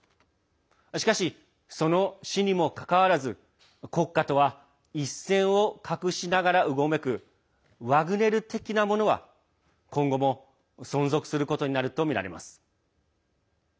しかし、その死にもかかわらず国家とは一線を画しながらうごめく、ワグネル的なものは今後も存続することになるとみられます。